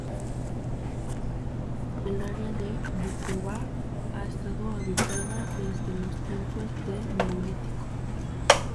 El área de Vukovar ha estado habitada desde los tiempos del Neolítico.